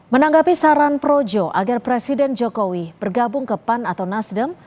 menanggapi saran projo agar presiden jokowi bergabung ke pan atau nasdem